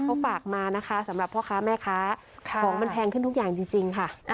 เขาฝากมานะคะสำหรับพ่อค้าแม่ค้าของมันแพงขึ้นทุกอย่างจริงค่ะ